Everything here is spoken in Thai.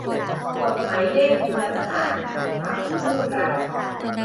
กดหมายเลขโทรสารของฝั่งผู้รับ